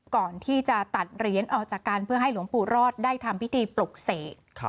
ก่อนที่จะตัดเหรียญออกจากกันเพื่อให้หลวงปู่รอดได้ทำพิธีปลุกเสก